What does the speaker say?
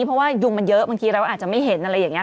เพราะว่ายุงมันเยอะบางทีเราอาจจะไม่เห็น